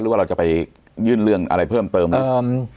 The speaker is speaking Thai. ว่าเราจะไปยื่นเรื่องอะไรเพิ่มเติมไหม